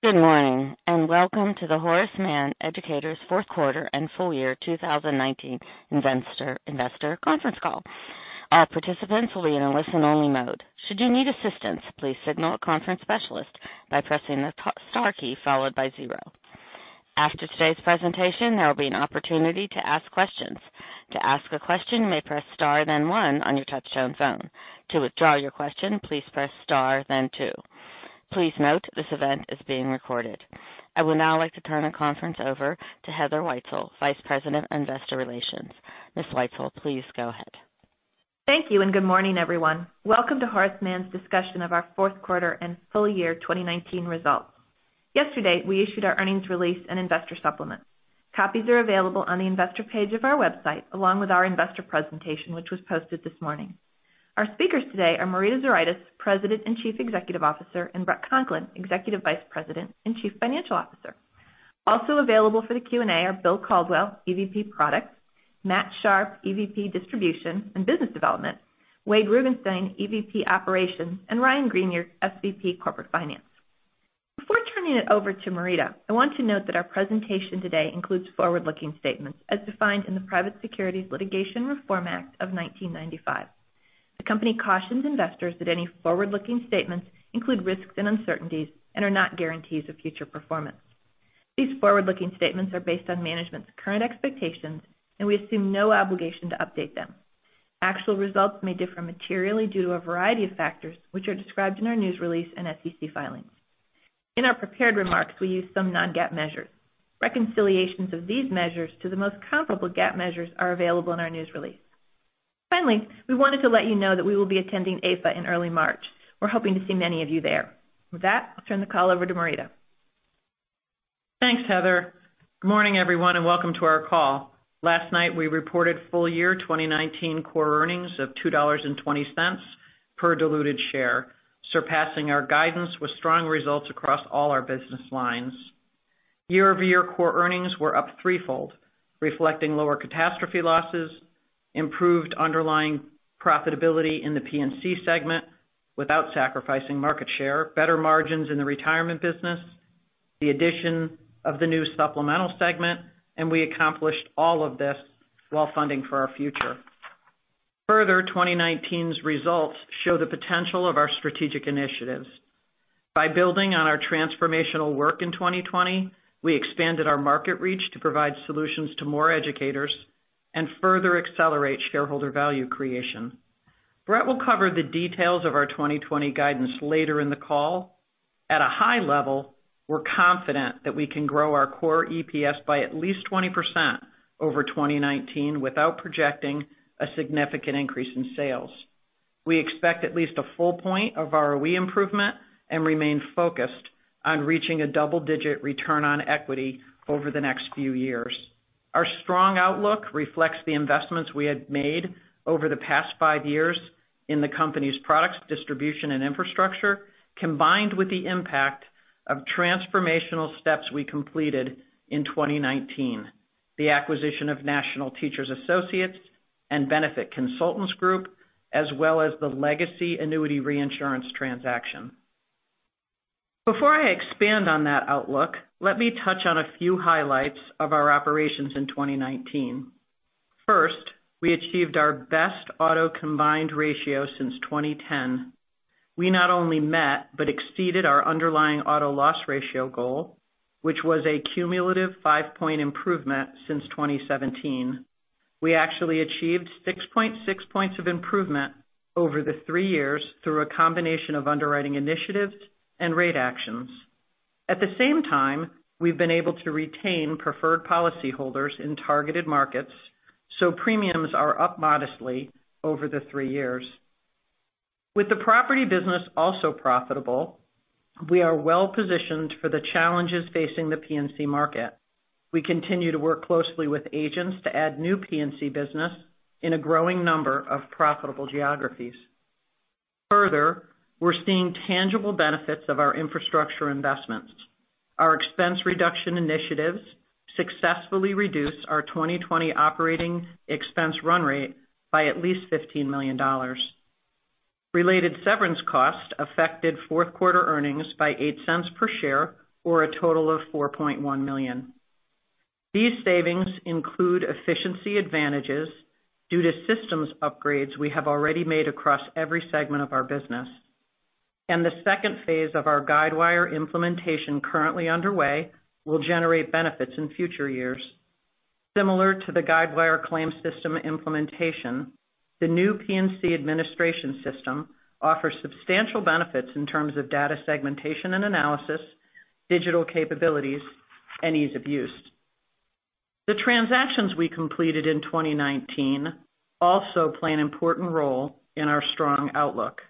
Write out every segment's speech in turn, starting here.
Good morning. Welcome to the Horace Mann Educators fourth quarter and full year 2019 investor conference call. All participants will be in a listen-only mode. Should you need assistance, please signal a conference specialist by pressing the star key followed by zero. After today's presentation, there will be an opportunity to ask questions. To ask a question, you may press star then one on your touch-tone phone. To withdraw your question, please press star then two. Please note this event is being recorded. I would now like to turn the conference over to Heather Wietzel, Vice President, Investor Relations. Ms. Wietzel, please go ahead. Thank you. Good morning, everyone. Welcome to Horace Mann's discussion of our fourth quarter and full year 2019 results. Yesterday, we issued our earnings release and investor supplement. Copies are available on the investor page of our website, along with our investor presentation, which was posted this morning. Our speakers today are Marita Zuraitis, President and Chief Executive Officer, and Bret Conklin, Executive Vice President and Chief Financial Officer. Also available for the Q&A are William Caldwell, EVP, Product, Matthew Sharpe, EVP, Distribution and Business Development, Wade Rugenstein, EVP, Operations, and Ryan Greenier, SVP, Corporate Finance. Before turning it over to Marita, I want to note that our presentation today includes forward-looking statements as defined in the Private Securities Litigation Reform Act of 1995. The company cautions investors that any forward-looking statements include risks and uncertainties and are not guarantees of future performance. These forward-looking statements are based on management's current expectations. We assume no obligation to update them. Actual results may differ materially due to a variety of factors, which are described in our news release and SEC filings. In our prepared remarks, we use some non-GAAP measures. Reconciliations of these measures to the most comparable GAAP measures are available in our news release. Finally, we wanted to let you know that we will be attending APA in early March. We're hoping to see many of you there. With that, I'll turn the call over to Marita. Thanks, Heather. Good morning, everyone. Welcome to our call. Last night, we reported full year 2019 core earnings of $2.20 per diluted share, surpassing our guidance with strong results across all our business lines. Year-over-year core earnings were up threefold, reflecting lower catastrophe losses, improved underlying profitability in the P&C segment without sacrificing market share, better margins in the retirement business, the addition of the new supplemental segment. We accomplished all of this while funding for our future. Further, 2019's results show the potential of our strategic initiatives. By building on our transformational work in 2020, we expanded our market reach to provide solutions to more educators and further accelerate shareholder value creation. Bret will cover the details of our 2020 guidance later in the call. At a high level, we're confident that we can grow our core EPS by at least 20% over 2019 without projecting a significant increase in sales. We expect at least a full point of ROE improvement and remain focused on reaching a double-digit return on equity over the next few years. Our strong outlook reflects the investments we had made over the past five years in the company's products, distribution, and infrastructure, combined with the impact of transformational steps we completed in 2019, the acquisition of National Teachers Associates and Benefit Consultants Group, as well as the legacy annuity reinsurance transaction. Before I expand on that outlook, let me touch on a few highlights of our operations in 2019. First, we achieved our best auto combined ratio since 2010. We not only met but exceeded our underlying auto loss ratio goal, which was a cumulative five-point improvement since 2017. We actually achieved 6.6 points of improvement over the three years through a combination of underwriting initiatives and rate actions. At the same time, we've been able to retain preferred policyholders in targeted markets, premiums are up modestly over the three years. With the property business also profitable, we are well-positioned for the challenges facing the P&C market. We continue to work closely with agents to add new P&C business in a growing number of profitable geographies. Further, we're seeing tangible benefits of our infrastructure investments. Our expense reduction initiatives successfully reduced our 2020 operating expense run rate by at least $15 million. Related severance costs affected fourth quarter earnings by $0.08 per share or a total of $4.1 million. These savings include efficiency advantages due to systems upgrades we have already made across every segment of our business. The second phase of our Guidewire implementation currently underway will generate benefits in future years. Similar to the Guidewire claims system implementation, the new P&C administration system offers substantial benefits in terms of data segmentation and analysis, digital capabilities, and ease of use. The transactions we completed in 2019 also play an important role in our strong outlook.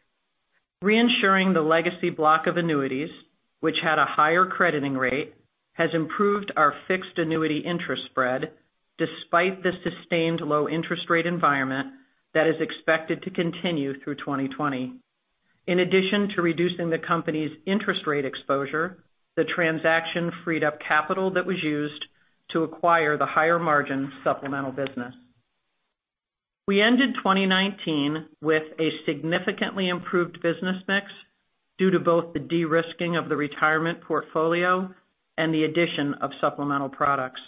Reinsuring the legacy block of annuities, which had a higher crediting rate, has improved our fixed annuity interest spread despite the sustained low interest rate environment that is expected to continue through 2020. In addition to reducing the company's interest rate exposure, the transaction freed up capital that was used to acquire the higher margin supplemental business. We ended 2019 with a significantly improved business mix due to both the de-risking of the retirement portfolio and the addition of supplemental products.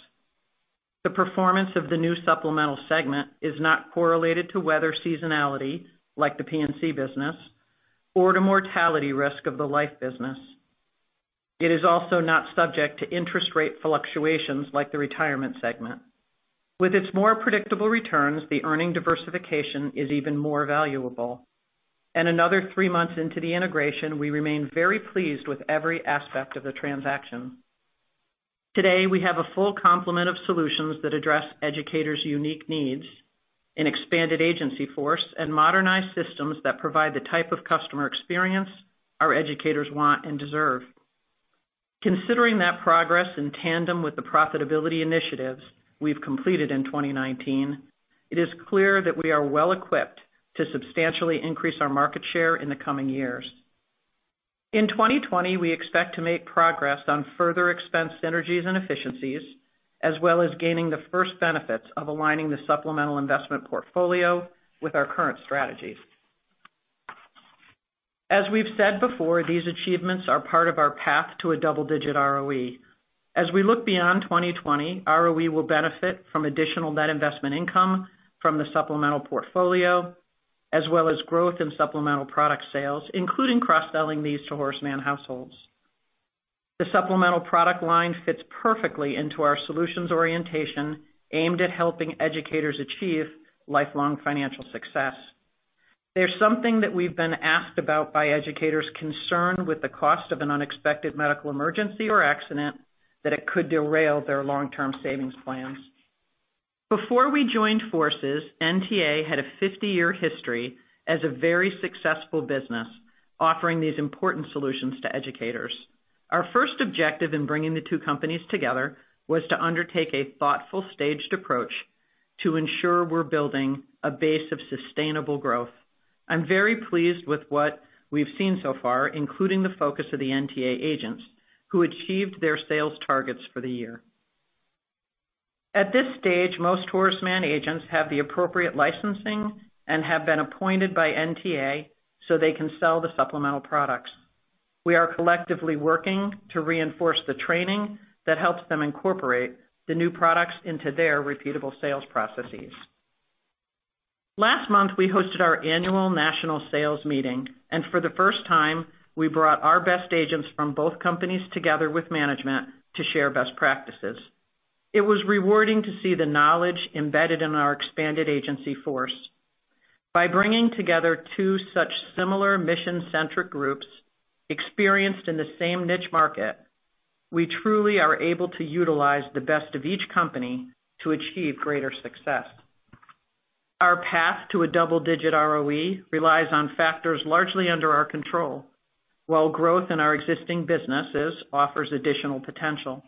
The performance of the new supplemental segment is not correlated to weather seasonality, like the P&C business, or to mortality risk of the life business. It is also not subject to interest rate fluctuations like the retirement segment. With its more predictable returns, the earning diversification is even more valuable. Another three months into the integration, we remain very pleased with every aspect of the transaction. Today, we have a full complement of solutions that address educators' unique needs, an expanded agency force, and modernized systems that provide the type of customer experience our educators want and deserve. Considering that progress in tandem with the profitability initiatives we've completed in 2019, it is clear that we are well-equipped to substantially increase our market share in the coming years. In 2020, we expect to make progress on further expense synergies and efficiencies, as well as gaining the first benefits of aligning the supplemental investment portfolio with our current strategies. As we've said before, these achievements are part of our path to a double-digit ROE. As we look beyond 2020, ROE will benefit from additional net investment income from the supplemental portfolio, as well as growth in supplemental product sales, including cross-selling these to Horace Mann households. The supplemental product line fits perfectly into our solutions orientation aimed at helping educators achieve lifelong financial success. They're something that we've been asked about by educators concerned with the cost of an unexpected medical emergency or accident that it could derail their long-term savings plans. Before we joined forces, NTA had a 50-year history as a very successful business offering these important solutions to educators. Our first objective in bringing the two companies together was to undertake a thoughtful, staged approach to ensure we're building a base of sustainable growth. I'm very pleased with what we've seen so far, including the focus of the NTA agents, who achieved their sales targets for the year. At this stage, most Horace Mann agents have the appropriate licensing and have been appointed by NTA so they can sell the supplemental products. We are collectively working to reinforce the training that helps them incorporate the new products into their repeatable sales processes. Last month, we hosted our annual national sales meeting, for the first time, we brought our best agents from both companies together with management to share best practices. It was rewarding to see the knowledge embedded in our expanded agency force. By bringing together two such similar mission-centric groups experienced in the same niche market, we truly are able to utilize the best of each company to achieve greater success. Our path to a double-digit ROE relies on factors largely under our control, while growth in our existing businesses offers additional potential.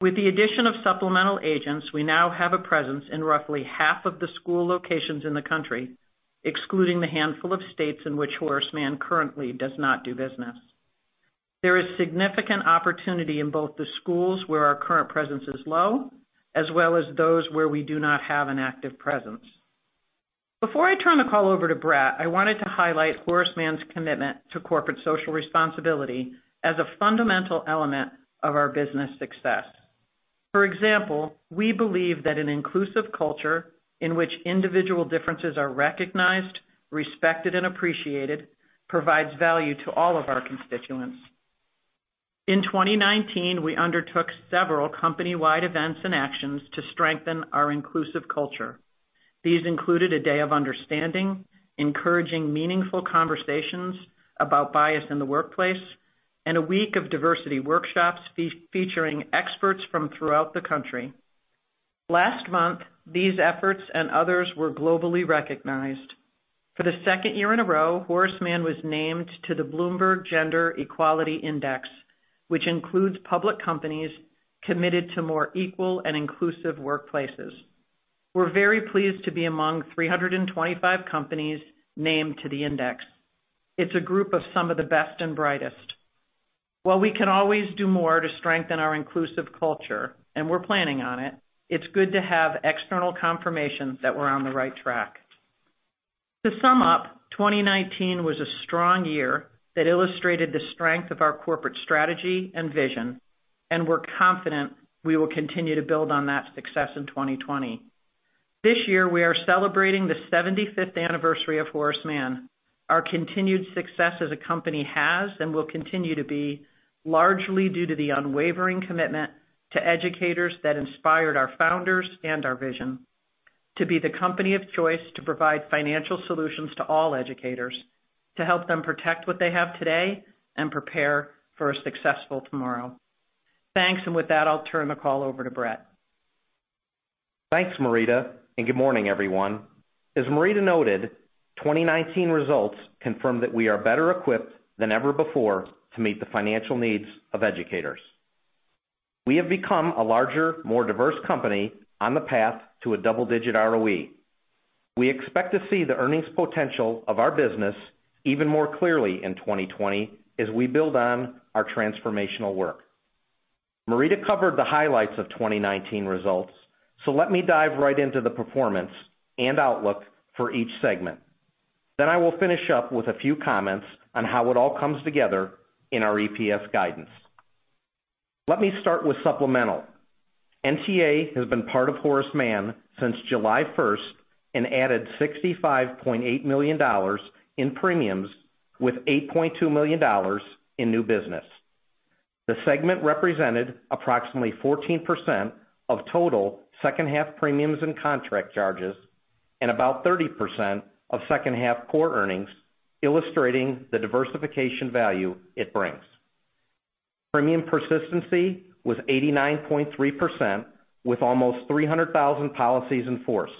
With the addition of supplemental agents, we now have a presence in roughly half of the school locations in the country, excluding the handful of states in which Horace Mann currently does not do business. There is significant opportunity in both the schools where our current presence is low, as well as those where we do not have an active presence. Before I turn the call over to Bret, I wanted to highlight Horace Mann's commitment to corporate social responsibility as a fundamental element of our business success. For example, we believe that an inclusive culture in which individual differences are recognized, respected, and appreciated provides value to all of our constituents. In 2019, we undertook several company-wide events and actions to strengthen our inclusive culture. These included a day of understanding, encouraging meaningful conversations about bias in the workplace, and a week of diversity workshops featuring experts from throughout the country. Last month, these efforts and others were globally recognized. For the second year in a row, Horace Mann was named to the Bloomberg Gender-Equality Index, which includes public companies committed to more equal and inclusive workplaces. We're very pleased to be among 325 companies named to the index. It's a group of some of the best and brightest. While we can always do more to strengthen our inclusive culture, and we're planning on it's good to have external confirmation that we're on the right track. To sum up, 2019 was a strong year that illustrated the strength of our corporate strategy and vision. We're confident we will continue to build on that success in 2020. This year, we are celebrating the 75th anniversary of Horace Mann. Our continued success as a company has and will continue to be largely due to the unwavering commitment to educators that inspired our founders and our vision to be the company of choice to provide financial solutions to all educators, to help them protect what they have today and prepare for a successful tomorrow. Thanks. With that, I'll turn the call over to Bret. Thanks, Marita. Good morning, everyone. As Marita noted, 2019 results confirm that we are better equipped than ever before to meet the financial needs of educators. We have become a larger, more diverse company on the path to a double-digit ROE. We expect to see the earnings potential of our business even more clearly in 2020 as we build on our transformational work. Marita covered the highlights of 2019 results. Let me dive right into the performance and outlook for each segment. I will finish up with a few comments on how it all comes together in our EPS guidance. Let me start with supplemental. NTA has been part of Horace Mann since July 1st and added $65.8 million in premiums with $8.2 million in new business. The segment represented approximately 14% of total second half premiums and contract charges and about 30% of second half core earnings, illustrating the diversification value it brings. Premium persistency was 89.3%, with almost 300,000 policies in force.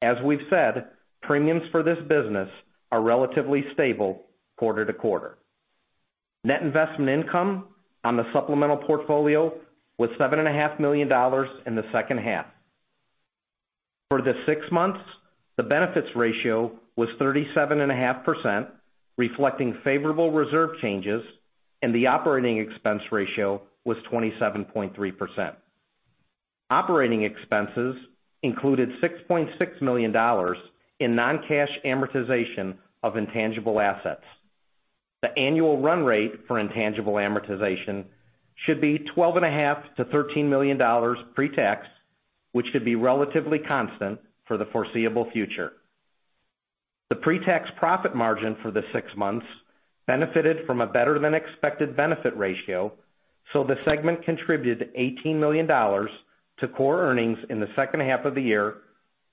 As we've said, premiums for this business are relatively stable quarter to quarter. Net investment income on the supplemental portfolio was $7.5 million in the second half. For the six months, the benefits ratio was 37.5%, reflecting favorable reserve changes. The operating expense ratio was 27.3%. Operating expenses included $6.6 million in non-cash amortization of intangible assets. The annual run rate for intangible amortization should be $12.5 million-$13 million pre-tax, which should be relatively constant for the foreseeable future. The pre-tax profit margin for the six months benefited from a better than expected benefit ratio. The segment contributed $18 million to core earnings in the second half of the year,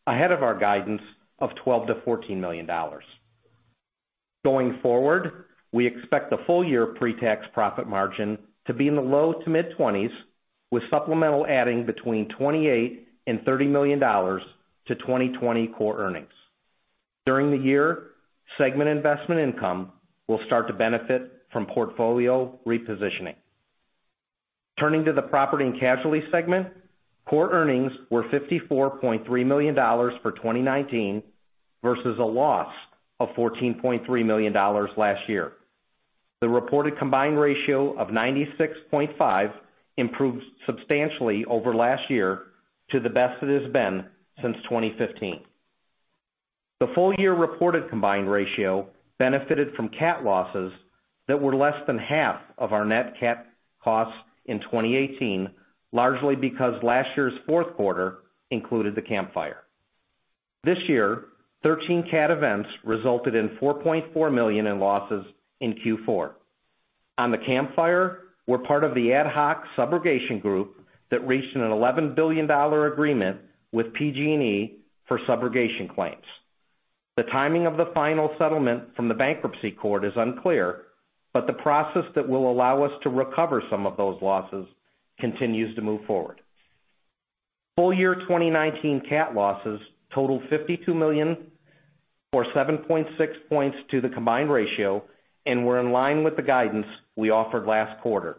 ahead of our guidance of $12 million-$14 million. Going forward, we expect the full year pre-tax profit margin to be in the low to mid 20s, with supplemental adding between $28 million and $30 million to 2020 core earnings. During the year, segment investment income will start to benefit from portfolio repositioning. Turning to the Property and Casualty segment, core earnings were $54.3 million for 2019 versus a loss of $14.3 million last year. The reported combined ratio of 96.5 improved substantially over last year to the best it has been since 2015. The full year reported combined ratio benefited from cat losses that were less than half of our net cat costs in 2018, largely because last year's fourth quarter included the Camp Fire. This year, 13 cat events resulted in $4.4 million in losses in Q4. On the Camp Fire, we're part of the ad hoc subrogation group that reached an $11 billion agreement with PG&E for subrogation claims. The timing of the final settlement from the bankruptcy court is unclear, but the process that will allow us to recover some of those losses continues to move forward. Full year 2019 cat losses totaled $52 million, or 7.6 points to the combined ratio and were in line with the guidance we offered last quarter.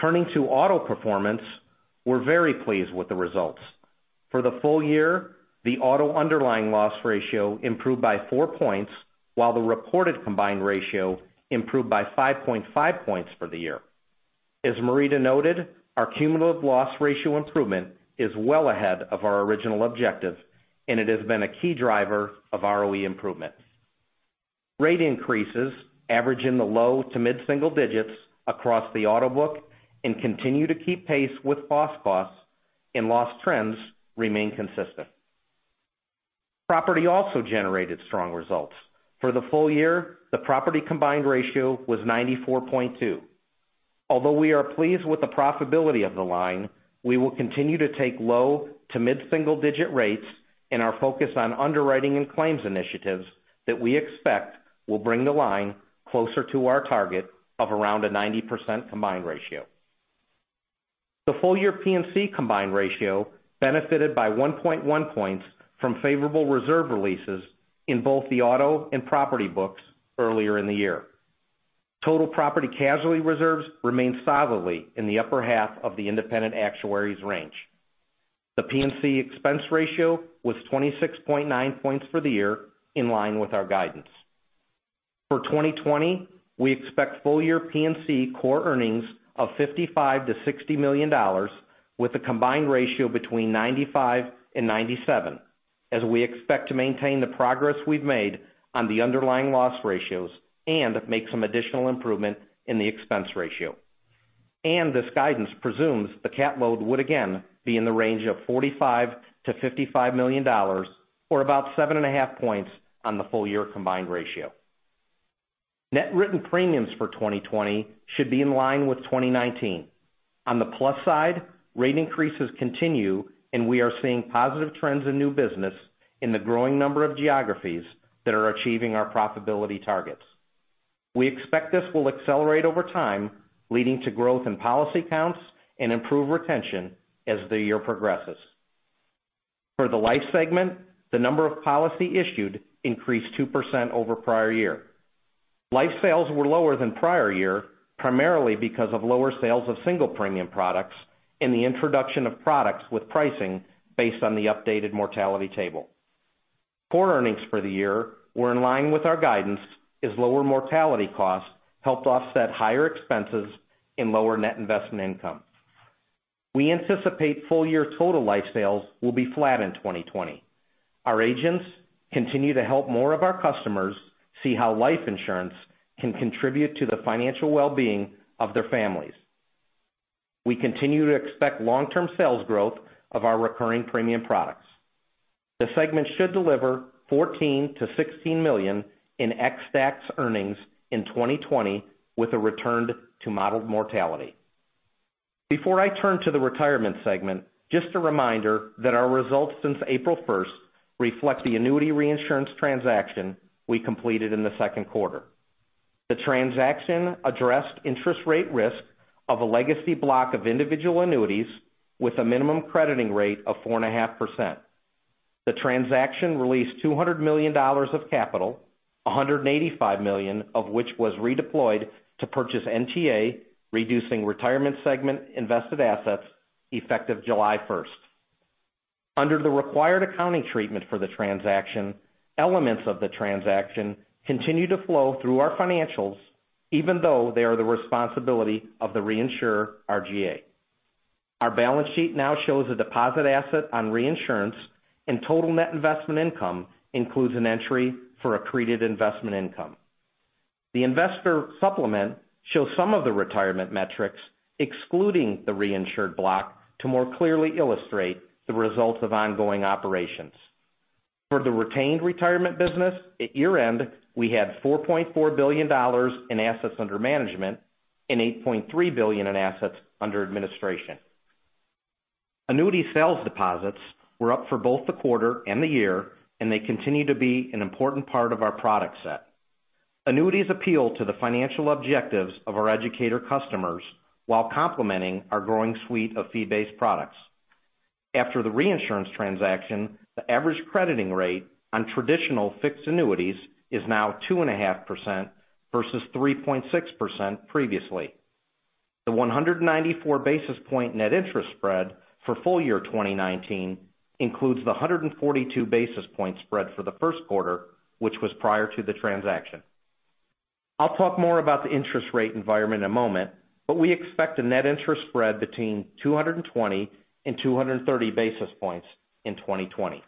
Turning to auto performance, we're very pleased with the results. For the full year, the auto underlying loss ratio improved by four points while the reported combined ratio improved by 5.5 points for the year. As Marita noted, our cumulative loss ratio improvement is well ahead of our original objective, and it has been a key driver of ROE improvements. Rate increases average in the low to mid-single digits across the auto book and continue to keep pace with loss costs, and loss trends remain consistent. Property also generated strong results. For the full year, the property combined ratio was 94.2. Although we are pleased with the profitability of the line, we will continue to take low to mid-single digit rates and are focused on underwriting and claims initiatives that we expect will bring the line closer to our target of around a 90% combined ratio. The full year P&C combined ratio benefited by 1.1 points from favorable reserve releases in both the auto and property books earlier in the year. Total property casualty reserves remain solidly in the upper half of the independent actuary's range. The P&C expense ratio was 26.9 points for the year, in line with our guidance. For 2020, we expect full year P&C core earnings of $55 million-$60 million with a combined ratio between 95 and 97, as we expect to maintain the progress we've made on the underlying loss ratios and make some additional improvement in the expense ratio. This guidance presumes the cat load would again be in the range of $45 million-$55 million, or about seven and a half points on the full year combined ratio. Net written premiums for 2020 should be in line with 2019. On the plus side, rate increases continue. We are seeing positive trends in new business in the growing number of geographies that are achieving our profitability targets. We expect this will accelerate over time, leading to growth in policy counts and improved retention as the year progresses. For the life segment, the number of policy issued increased 2% over prior year. Life sales were lower than prior year, primarily because of lower sales of single premium products and the introduction of products with pricing based on the updated mortality table. Core earnings for the year were in line with our guidance as lower mortality costs helped offset higher expenses and lower net investment income. We anticipate full-year total life sales will be flat in 2020. Our agents continue to help more of our customers see how life insurance can contribute to the financial well-being of their families. We continue to expect long-term sales growth of our recurring premium products. The segment should deliver $14 million-$16 million in ex STAC earnings in 2020 with a return to modeled mortality. Before I turn to the Retirement segment, just a reminder that our results since April 1st reflect the annuity reinsurance transaction we completed in the second quarter. The transaction addressed interest rate risk of a legacy block of individual annuities with a minimum crediting rate of 4.5%. The transaction released $200 million of capital, $185 million of which was redeployed to purchase NTA, reducing Retirement segment invested assets effective July 1st. Under the required accounting treatment for the transaction, elements of the transaction continue to flow through our financials even though they are the responsibility of the reinsurer, RGA. Our balance sheet now shows a deposit asset on reinsurance. Total net investment income includes an entry for accreted investment income. The investor supplement shows some of the Retirement metrics excluding the reinsured block to more clearly illustrate the results of ongoing operations. For the retained Retirement business, at year-end, we had $4.4 billion in assets under management and $8.3 billion in assets under administration. Annuity sales deposits were up for both the quarter and the year. They continue to be an important part of our product set. Annuities appeal to the financial objectives of our educator customers while complementing our growing suite of fee-based products. After the reinsurance transaction, the average crediting rate on traditional fixed annuities is now 2.5% versus 3.6% previously. The 194-basis-point net interest spread for full-year 2019 includes the 142-basis-point spread for the first quarter, which was prior to the transaction. I'll talk more about the interest rate environment in a moment, but we expect a net interest spread between 220-230 basis points in 2020.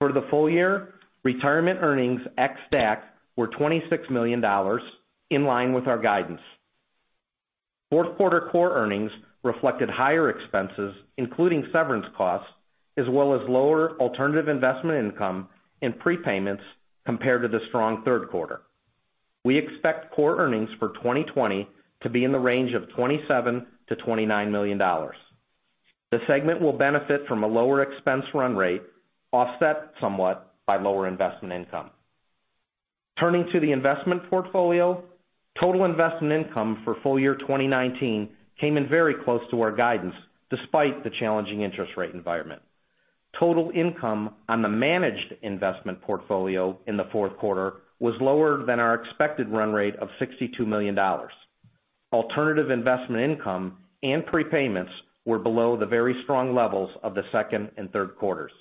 For the full-year, Retirement earnings ex STAC were $26 million, in line with our guidance. Fourth quarter core earnings reflected higher expenses, including severance costs, as well as lower alternative investment income and prepayments compared to the strong third quarter. We expect core earnings for 2020 to be in the range of $27 million-$29 million. The segment will benefit from a lower expense run rate, offset somewhat by lower investment income. Turning to the investment portfolio, total investment income for full-year 2019 came in very close to our guidance, despite the challenging interest rate environment. Total income on the managed investment portfolio in the fourth quarter was lower than our expected run rate of $62 million. Alternative investment income and prepayments were below the very strong levels of the second and third quarters.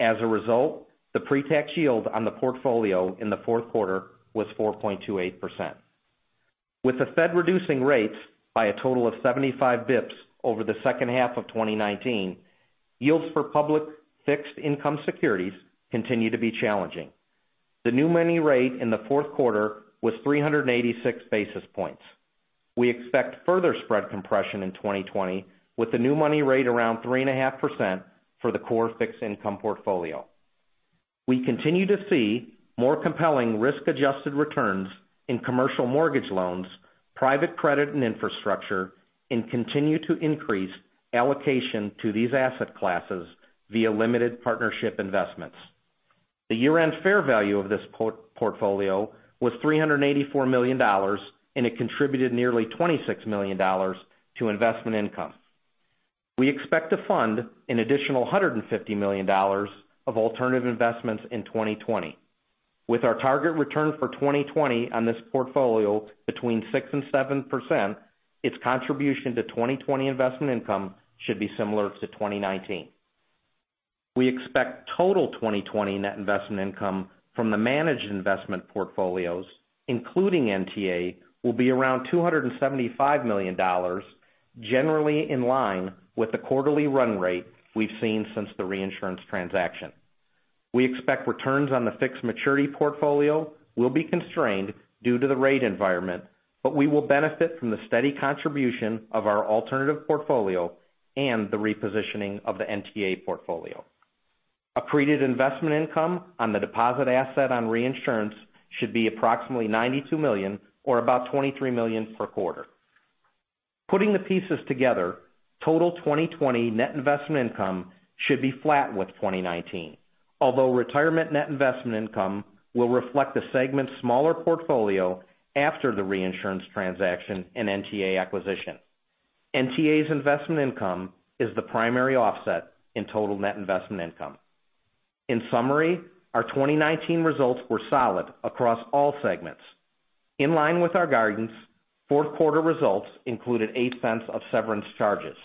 As a result, the pre-tax yield on the portfolio in the fourth quarter was 4.28%. With the Fed reducing rates by a total of 75 basis points over the second half of 2019, yields for public fixed income securities continue to be challenging. The new money rate in the fourth quarter was 386 basis points. We expect further spread compression in 2020 with the new money rate around 3.5% for the core fixed income portfolio. We continue to see more compelling risk-adjusted returns in commercial mortgage loans, private credit, and infrastructure. Continue to increase allocation to these asset classes via limited partnership investments. The year-end fair value of this portfolio was $384 million. It contributed nearly $26 million to investment income. We expect to fund an additional $150 million of alternative investments in 2020. With our target return for 2020 on this portfolio between 6% and 7%, its contribution to 2020 investment income should be similar to 2019. We expect total 2020 net investment income from the managed investment portfolios, including NTA, will be around $275 million, generally in line with the quarterly run rate we've seen since the reinsurance transaction. We expect returns on the fixed maturity portfolio will be constrained due to the rate environment, but we will benefit from the steady contribution of our alternative portfolio and the repositioning of the NTA portfolio. Accreted investment income on the deposit asset on reinsurance should be approximately $92 million or about $23 million per quarter. Putting the pieces together, total 2020 net investment income should be flat with 2019. Although Retirement net investment income will reflect the segment's smaller portfolio after the reinsurance transaction and NTA acquisition. NTA's investment income is the primary offset in total net investment income. In summary, our 2019 results were solid across all segments. In line with our guidance, fourth quarter results included $0.08 of severance charges.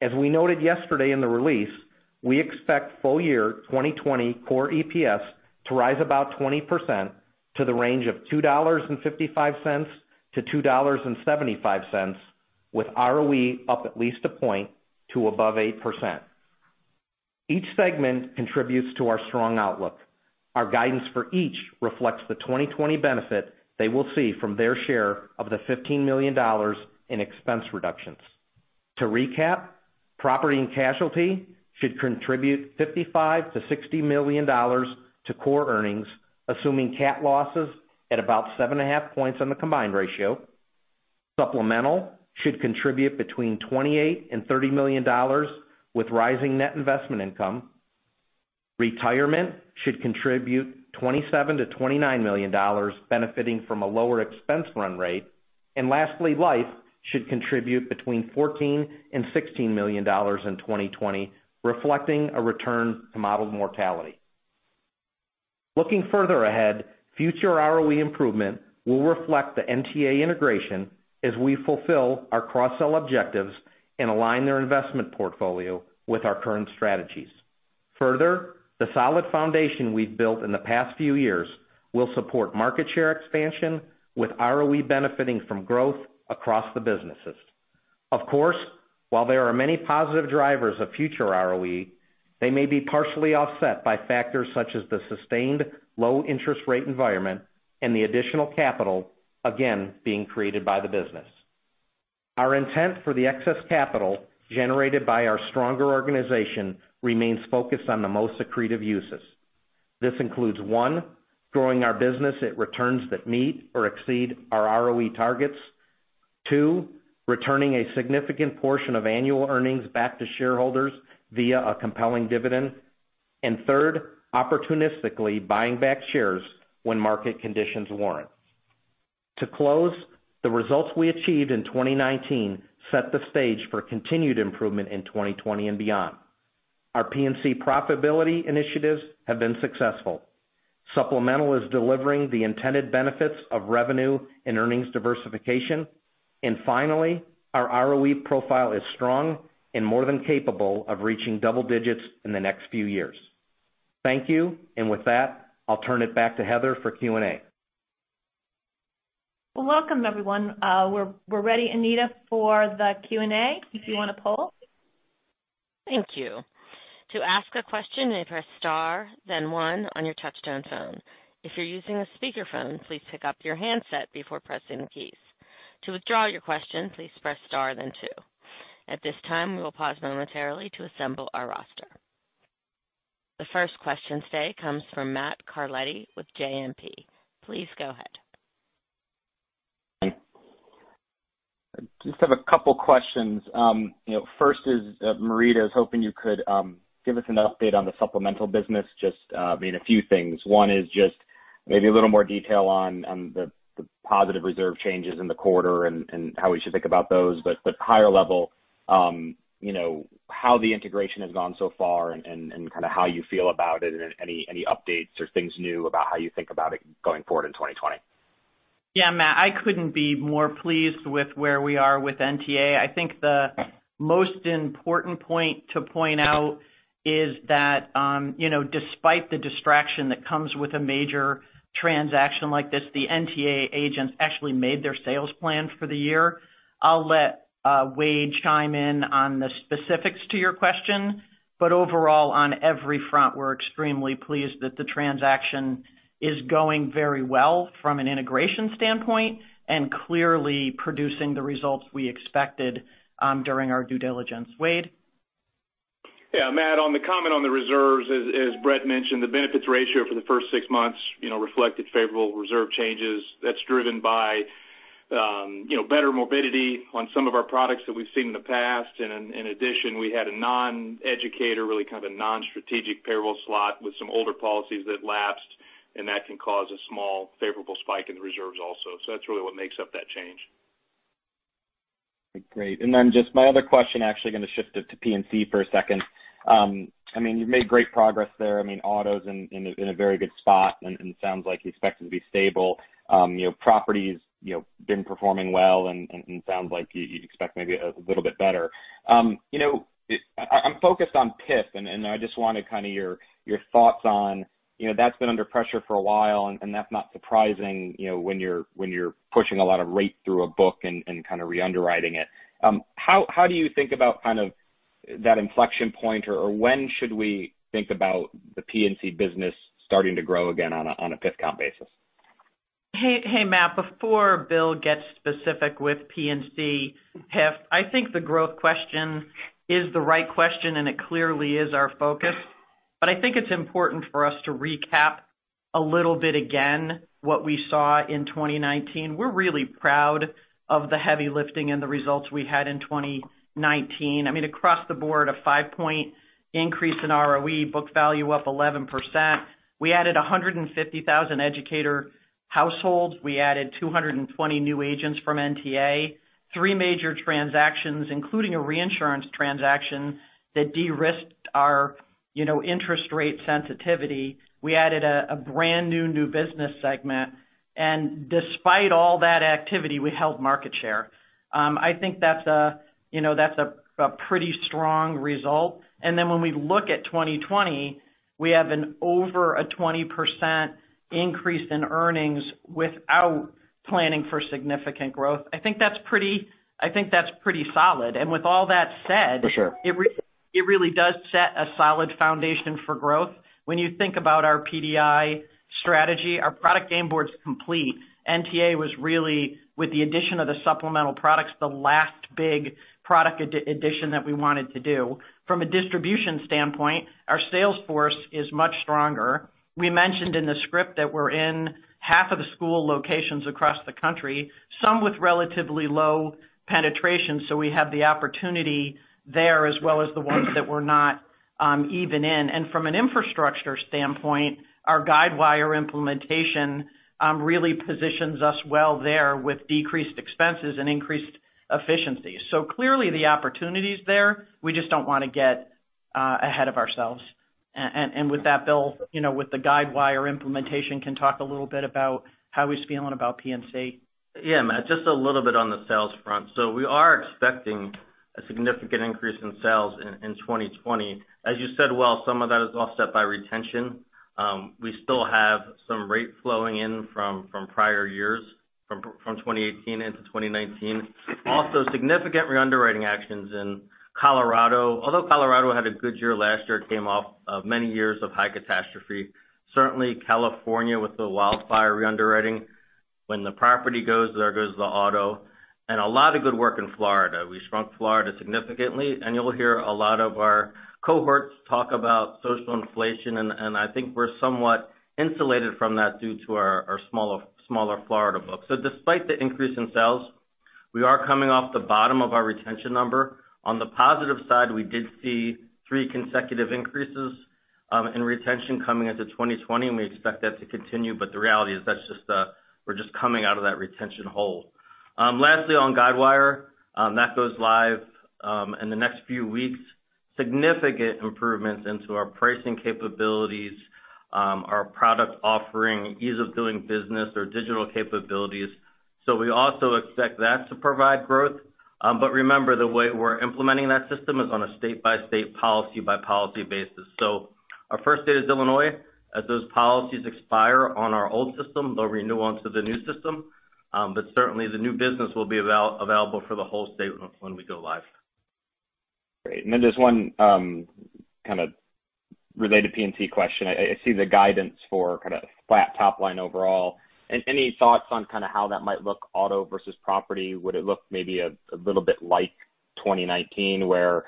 As we noted yesterday in the release, we expect full year 2020 core EPS to rise about 20% to the range of $2.55 to $2.75, with ROE up at least a point to above 8%. Each segment contributes to our strong outlook. Our guidance for each reflects the 2020 benefit they will see from their share of the $15 million in expense reductions. To recap, property and casualty should contribute $55 million-$60 million to core earnings, assuming cat losses at about seven and a half points on the combined ratio. Supplemental should contribute between $28 million and $30 million with rising net investment income. Retirement should contribute $27 million-$29 million benefiting from a lower expense run rate. Lastly, life should contribute between $14 million and $16 million in 2020, reflecting a return to modeled mortality. Looking further ahead, future ROE improvement will reflect the NTA integration as we fulfill our cross-sell objectives and align their investment portfolio with our current strategies. Further, the solid foundation we've built in the past few years will support market share expansion, with ROE benefiting from growth across the businesses. Of course, while there are many positive drivers of future ROE, they may be partially offset by factors such as the sustained low interest rate environment and the additional capital, again, being created by the business. Our intent for the excess capital generated by our stronger organization remains focused on the most accretive uses. This includes, one, growing our business at returns that meet or exceed our ROE targets. Two, returning a significant portion of annual earnings back to shareholders via a compelling dividend. Third, opportunistically buying back shares when market conditions warrant. To close, the results we achieved in 2019 set the stage for continued improvement in 2020 and beyond. Our P&C profitability initiatives have been successful. Supplemental is delivering the intended benefits of revenue and earnings diversification. Finally, our ROE profile is strong and more than capable of reaching double digits in the next few years. Thank you. With that, I'll turn it back to Heather for Q&A. Welcome, everyone. We're ready, Anita, for the Q&A, if you want to poll. Thank you. To ask a question, you press star, then 1 on your touch-tone phone. If you're using a speakerphone, please pick up your handset before pressing the keys. To withdraw your question, please press star then 2. At this time, we will pause momentarily to assemble our roster. The first question today comes from Matt Carletti with JMP Securities. Please go ahead. I just have a couple questions. First is, Marita, I was hoping you could give us an update on the supplemental business, just a few things. One is just maybe a little more detail on the positive reserve changes in the quarter and how we should think about those, but higher level, how the integration has gone so far and how you feel about it, and any updates or things new about how you think about it going forward in 2020. Yeah, Matt, I couldn't be more pleased with where we are with NTA. I think the most important point to point out is that despite the distraction that comes with a major transaction like this, the NTA agents actually made their sales plan for the year. I'll let Wade chime in on the specifics to your question, but overall, on every front, we're extremely pleased that the transaction is going very well from an integration standpoint and clearly producing the results we expected during our due diligence. Wade? Yeah, Matt, on the comment on the reserves, as Bret mentioned, the benefits ratio for the first six months reflected favorable reserve changes. That's driven by better morbidity on some of our products that we've seen in the past. In addition, we had a non-educator, really kind of a non-strategic payroll slot with some older policies that lapsed, and that can cause a small favorable spike in the reserves also. That's really what makes up that change. Great. Just my other question, actually going to shift it to P&C for a second. You've made great progress there. Auto's in a very good spot, and it sounds like you expect it to be stable. Property's been performing well, and it sounds like you expect maybe a little bit better. I'm focused on PIF, and I just wanted your thoughts on, that's been under pressure for a while, and that's not surprising when you're pushing a lot of rate through a book and re-underwriting it. How do you think about that inflection point? When should we think about the P&C business starting to grow again on a PIF count basis? Hey, Matt, before Bill gets specific with P&C PIF, I think the growth question is the right question, and it clearly is our focus. I think it's important for us to recap a little bit again, what we saw in 2019. We're really proud of the heavy lifting and the results we had in 2019. Across the board, a five-point increase in ROE, book value up 11%. We added 150,000 educator households. We added 220 new agents from NTA, three major transactions, including a reinsurance transaction that de-risked our interest rate sensitivity. We added a brand new business segment. Despite all that activity, we held market share. I think that's a pretty strong result. When we look at 2020, we have an over a 20% increase in earnings without planning for significant growth. I think that's pretty solid. With all that said. For sure It really does set a solid foundation for growth. When you think about our PDI strategy, our product game board's complete. NTA was really, with the addition of the supplemental products, the last big product addition that we wanted to do. From a distribution standpoint, our sales force is much stronger. We mentioned in the script that we're in half of the school locations across the country, some with relatively low penetration, so we have the opportunity there, as well as the ones that we're not even in. From an infrastructure standpoint, our Guidewire implementation really positions us well there with decreased expenses and increased efficiency. Clearly the opportunity's there. We just don't want to get ahead of ourselves. With that, Bill, with the Guidewire implementation, can talk a little bit about how he's feeling about P&C. Yeah, Matt, just a little bit on the sales front. We are expecting a significant increase in sales in 2020. As you said, while some of that is offset by retention, we still have some rate flowing in from prior years, from 2018 into 2019. Also, significant re-underwriting actions in Colorado. Although Colorado had a good year last year, it came off of many years of high catastrophe. Certainly, California with the wildfire re-underwriting. When the property goes, there goes the auto. A lot of good work in Florida. We shrunk Florida significantly, and you'll hear a lot of our cohorts talk about social inflation, and I think we're somewhat insulated from that due to our smaller Florida book. Despite the increase in sales, we are coming off the bottom of our retention number. On the positive side, we did see three consecutive increases, in retention coming into 2020, and we expect that to continue. The reality is we're just coming out of that retention hole. Lastly, on Guidewire, that goes live in the next few weeks. Significant improvements into our pricing capabilities, our product offering, ease of doing business, our digital capabilities. We also expect that to provide growth. Remember, the way we're implementing that system is on a state-by-state, policy-by-policy basis. Our first state is Illinois. As those policies expire on our old system, they'll renew onto the new system. Certainly, the new business will be available for the whole state when we go live. Great. Just one kind of related P&C question. I see the guidance for kind of flat top line overall. Any thoughts on how that might look auto versus property? Would it look maybe a little bit like 2019, where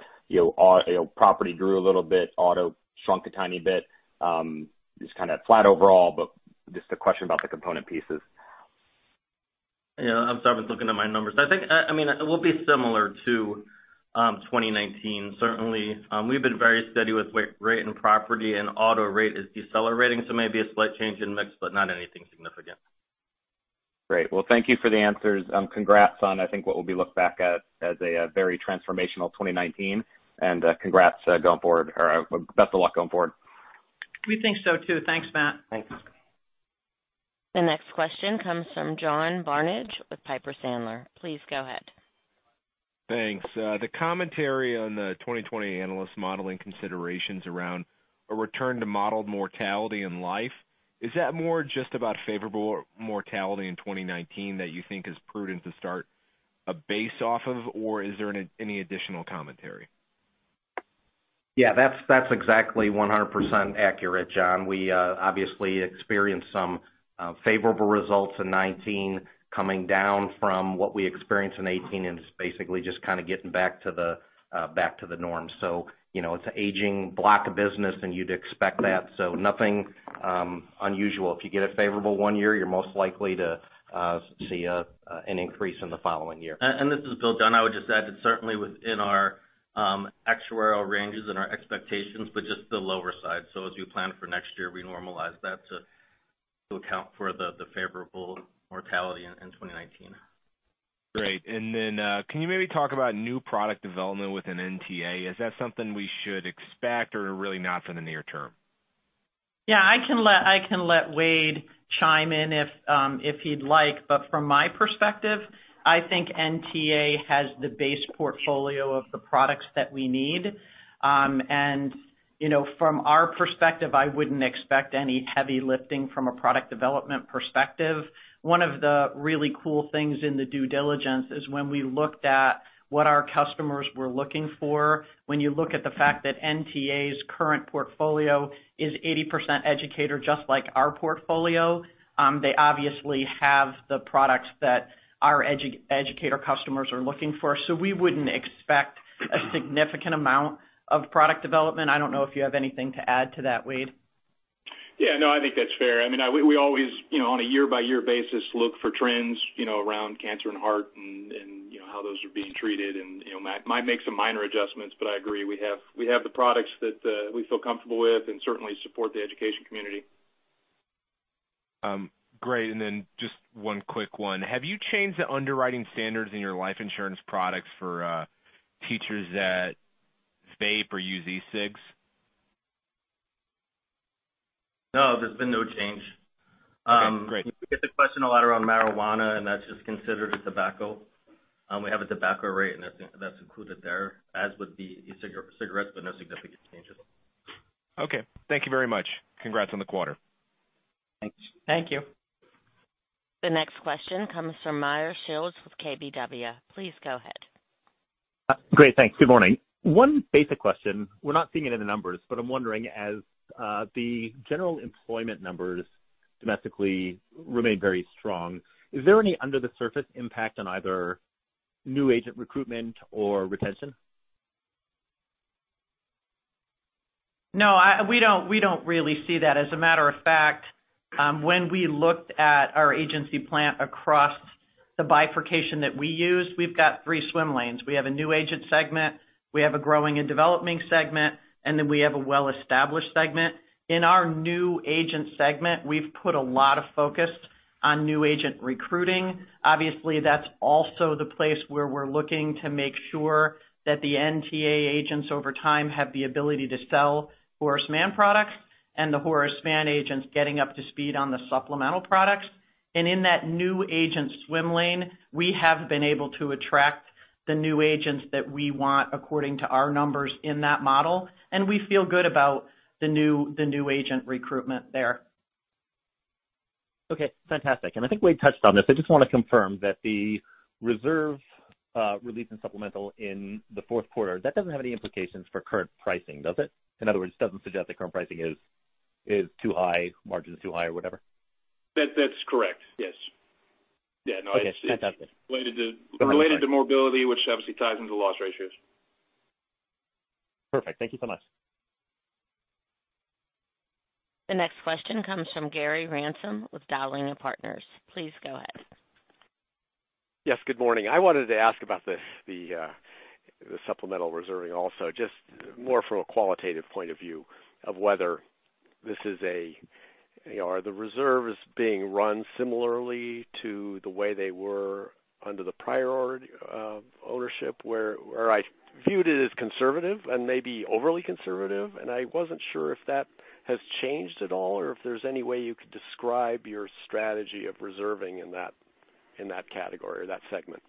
property grew a little bit, auto shrunk a tiny bit? Just kind of flat overall, just a question about the component pieces. Yeah, I'm sorry, I've been looking at my numbers. It will be similar to 2019, certainly. We've been very steady with rate and property. Auto rate is decelerating, so maybe a slight change in mix, but not anything significant. Great. Well, thank you for the answers. Congrats on, I think what will be looked back at as a very transformational 2019. Best of luck going forward. We think so too. Thanks, Matt. Thanks. The next question comes from John Barnidge with Piper Sandler. Please go ahead. Thanks. The commentary on the 2020 analyst modeling considerations around a return to modeled mortality and life, is that more just about favorable mortality in 2019 that you think is prudent to start a base off of, or is there any additional commentary? Yeah, that's exactly 100% accurate, John. We obviously experienced some favorable results in 2019 coming down from what we experienced in 2018. It's basically just kind of getting back to the norm. It's an aging block of business, you'd expect that, nothing unusual. If you get a favorable one year, you're most likely to see an increase in the following year. This is Bill Caldwell. I would just add that certainly within our actuarial ranges and our expectations, just the lower side. As we plan for next year, we normalize that to account for the favorable mortality in 2019. Great. Can you maybe talk about new product development within NTA? Is that something we should expect or really not for the near term? I can let Wade chime in if he'd like. From my perspective, I think NTA has the base portfolio of the products that we need. From our perspective, I wouldn't expect any heavy lifting from a product development perspective. One of the really cool things in the due diligence is when we looked at what our customers were looking for. When you look at the fact that NTA's current portfolio is 80% educator, just like our portfolio, they obviously have the products that our educator customers are looking for. We wouldn't expect a significant amount of product development. I don't know if you have anything to add to that, Wade. Yeah, no, I think that's fair. We always, on a year-by-year basis, look for trends around cancer and heart and how those are being treated, and might make some minor adjustments. I agree, we have the products that we feel comfortable with and certainly support the education community. Great. Just one quick one. Have you changed the underwriting standards in your life insurance products for teachers that vape or use e-cigs? No, there's been no change. Okay, great. We get the question a lot around marijuana, and that's just considered a tobacco. We have a tobacco rate, and that's included there, as with the e-cigarettes, but no significant changes. Okay. Thank you very much. Congrats on the quarter. Thanks. Thank you. The next question comes from Meyer Shields with KBW. Please go ahead. Great. Thanks. Good morning. One basic question. We're not seeing it in the numbers, but I'm wondering, as the general employment numbers domestically remain very strong, is there any under-the-surface impact on either new agent recruitment or retention? No, we don't really see that. As a matter of fact, when we looked at our agency plan across the bifurcation that we use, we've got three swim lanes. We have a new agent segment, we have a growing and developing segment, and then we have a well-established segment. In our new agent segment, we've put a lot of focus on new agent recruiting. Obviously, that's also the place where we're looking to make sure that the NTA agents over time have the ability to sell Horace Mann products and the Horace Mann agents getting up to speed on the supplemental products. In that new agent swim lane, we have been able to attract the new agents that we want according to our numbers in that model, and we feel good about the new agent recruitment there. Okay, fantastic. I think Wade touched on this. I just want to confirm that the reserve release and supplemental in the fourth quarter, that doesn't have any implications for current pricing, does it? In other words, it doesn't suggest that current pricing is too high, margins too high, or whatever. That's correct. Yes. Yeah, no. Okay. Fantastic. Related to morbidity, which obviously ties into loss ratios. Perfect. Thank you so much. The next question comes from Gary Ransom with Dowling & Partners. Please go ahead. Yes, good morning. I wanted to ask about the supplemental reserving also, just more from a qualitative point of view of whether are the reserves being run similarly to the way they were under the prior ownership where I viewed it as conservative and maybe overly conservative, and I wasn't sure if that has changed at all or if there's any way you could describe your strategy of reserving in that category or that segment.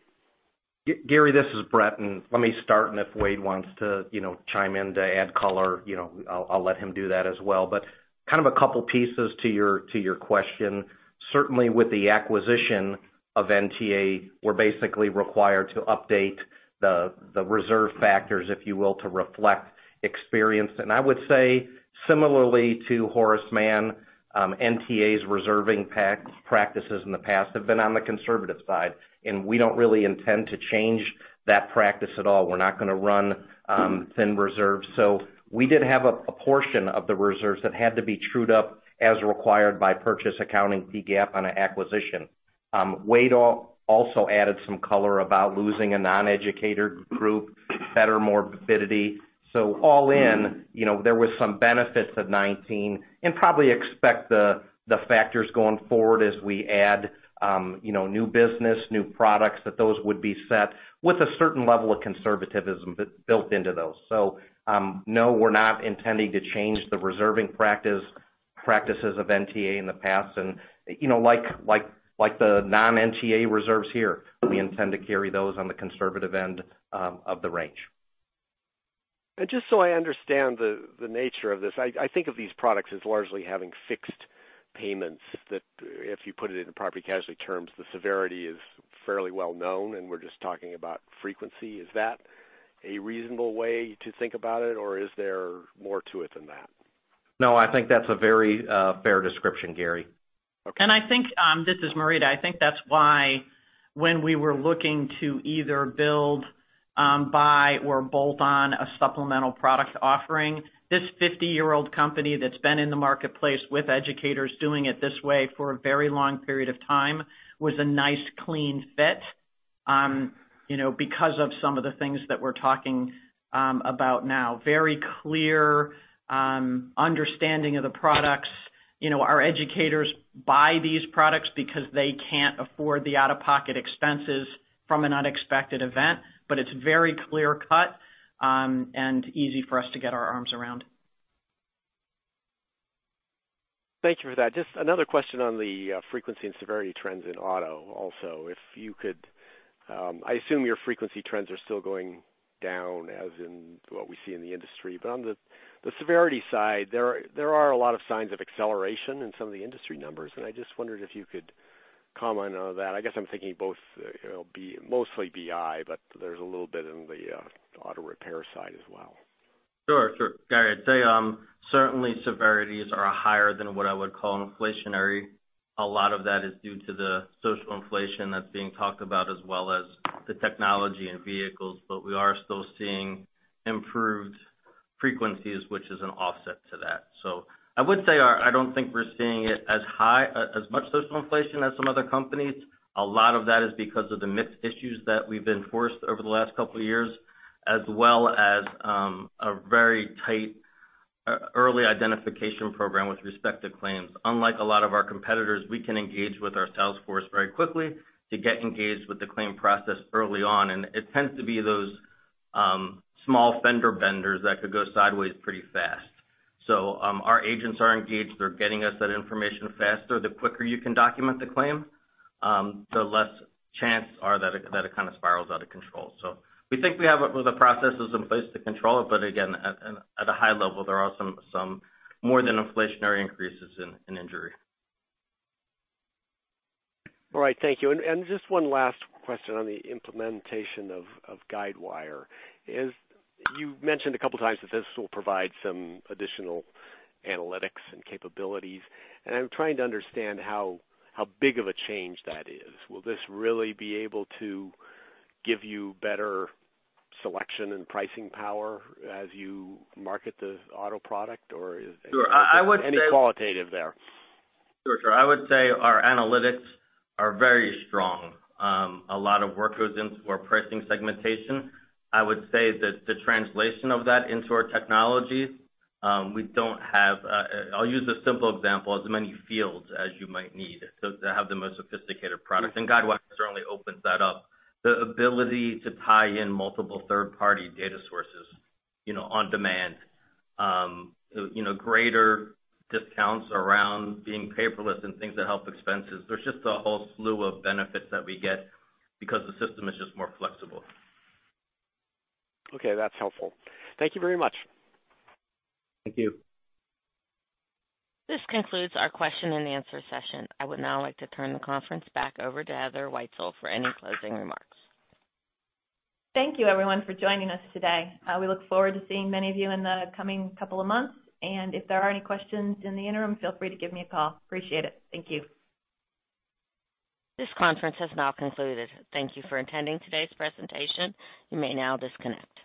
Gary, this is Bret, let me start, if Wade wants to chime in to add color, I'll let him do that as well. Kind of a couple pieces to your question. Certainly, with the acquisition of NTA, we're basically required to update the reserve factors, if you will, to reflect experience. I would say similarly to Horace Mann, NTA's reserving practices in the past have been on the conservative side, we don't really intend to change that practice at all. We're not going to run thin reserves. We did have a portion of the reserves that had to be trued up as required by purchase accounting PGAAP on an acquisition. Wade also added some color about losing a non-educator group, better morbidity. All in, there was some benefits of 2019 probably expect the factors going forward as we add new business, new products that those would be set with a certain level of conservativism built into those. No, we're not intending to change the reserving practices of NTA in the past. Like the non-NTA reserves here, we intend to carry those on the conservative end of the range. Just so I understand the nature of this, I think of these products as largely having fixed payments, that if you put it into property casualty terms, the severity is fairly well known, and we're just talking about frequency. Is that a reasonable way to think about it, or is there more to it than that? No, I think that's a very fair description, Gary. Okay. I think, this is Marita. I think that's why when we were looking to either build, buy, or bolt on a supplemental product offering, this 50-year-old company that's been in the marketplace with educators doing it this way for a very long period of time, was a nice, clean fit because of some of the things that we're talking about now. Very clear understanding of the products. Our educators buy these products because they can't afford the out-of-pocket expenses from an unexpected event, but it's very clear-cut, and easy for us to get our arms around. Thank you for that. Just another question on the frequency and severity trends in auto also. I assume your frequency trends are still going down, as in what we see in the industry. On the severity side, there are a lot of signs of acceleration in some of the industry numbers, and I just wondered if you could comment on that. I guess I'm thinking both, mostly BI, but there's a little bit in the auto repair side as well. Sure. Gary, I'd say certainly severities are higher than what I would call inflationary. A lot of that is due to the social inflation that's being talked about, as well as the technology in vehicles. We are still seeing improved frequencies, which is an offset to that. I would say, I don't think we're seeing it as much social inflation as some other companies. A lot of that is because of the mixed issues that we've enforced over the last couple of years, as well as a very tight early identification program with respect to claims. Unlike a lot of our competitors, we can engage with our sales force very quickly to get engaged with the claim process early on, and it tends to be those small fender benders that could go sideways pretty fast. Our agents are engaged. They're getting us that information faster. The quicker you can document the claim, the less chance are that it kind of spirals out of control. We think we have the processes in place to control it, again, at a high level, there are some more than inflationary increases in injury. All right. Thank you. Just one last question on the implementation of Guidewire is, you've mentioned a couple times that this will provide some additional analytics and capabilities, and I'm trying to understand how big of a change that is. Will this really be able to give you better selection and pricing power as you market the auto product or is- Sure. I would say- Any qualitative there. Sure. I would say our analytics are very strong. A lot of work goes into our pricing segmentation. I would say that the translation of that into our technologies, we don't have, I'll use a simple example, as many fields as you might need to have the most sophisticated products, and Guidewire certainly opens that up. The ability to tie in multiple third-party data sources on demand. Greater discounts around being paperless and things that help expenses. There's just a whole slew of benefits that we get because the system is just more flexible. Okay, that's helpful. Thank you very much. Thank you. This concludes our question and answer session. I would now like to turn the conference back over to Heather Wietzel for any closing remarks. Thank you everyone for joining us today. We look forward to seeing many of you in the coming couple of months, and if there are any questions in the interim, feel free to give me a call. Appreciate it. Thank you. This conference has now concluded. Thank you for attending today's presentation. You may now disconnect.